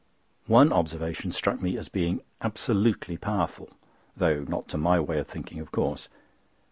One observation struck me as being absolutely powerful—though not to my way of thinking of course.